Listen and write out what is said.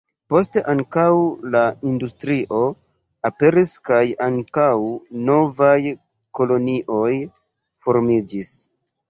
Poste ankaŭ la industrio aperis kaj ankaŭ novaj kolonioj formiĝis.